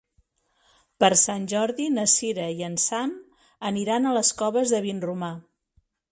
Per Sant Jordi na Sira i en Sam aniran a les Coves de Vinromà.